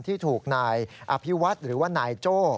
ที่ถูกนายอภิวัฒน์หรือว่านายโจ้